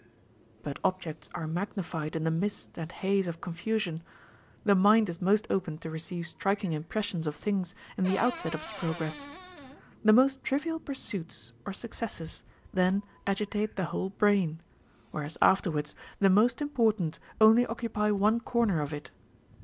But objects are magnified in the mist and haze of confusion ; the mind is most open to receive striking impressions of things in the outset of its pro gress. The most trivial pursuits or successes then agitate the whole brain ; whereas afterwards the most important only occupy one corner of it.